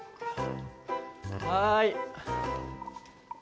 はい。